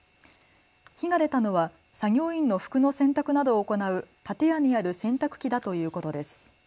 火が出たのは作業員の服の洗濯などを行う建屋にある洗濯機だということです。